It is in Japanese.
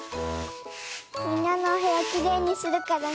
みんなのおへやきれいにするからね。